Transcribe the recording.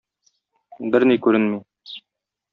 Берни күренми.